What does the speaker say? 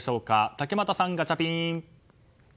竹俣さん、ガチャピン。